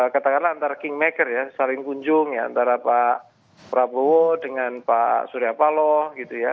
katakanlah antara kingmaker ya saling kunjung ya antara pak prabowo dengan pak surya paloh gitu ya